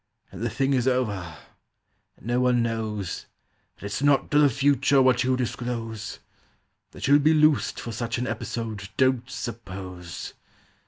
"But the thing is over, and no one knows, And it's nought to the future what you disclose. That you'll be loosed For such an episode, don't suppose!